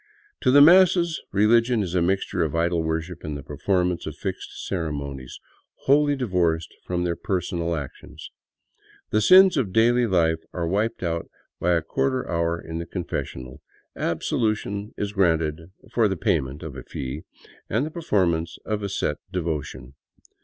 To the masses, religion is a mixture of idol worship and the performance of fixed ceremonies, wholly divorced from their personal actions. The sins of daily life are wiped out by a quarter hour in the confessional; absolution is granted for the payment of a fee and the performance of a set devotion.